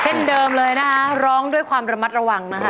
เช่นเดิมเลยนะคะร้องด้วยความระมัดระวังนะคะ